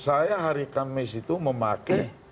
saya hari kamis itu memakai